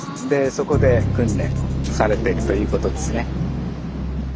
そこで訓練されてるということですね。